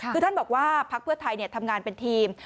คือท่านบอกว่าพักเพื่อไทยทำงานเป็นทีม